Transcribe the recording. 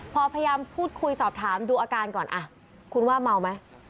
พอพยายามพูดคุยสอบถามดูอาการก่อนคุณว่าเมาไหม